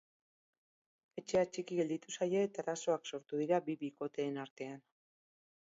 Etxea txiki gelditu zaie eta arazoak sortu dira bi bikoteen artean.